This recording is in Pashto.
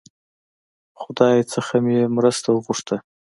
خدای څخه یې مرسته وغوښته.